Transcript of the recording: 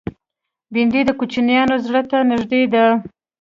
بېنډۍ د کوچنیانو زړه ته نږدې ده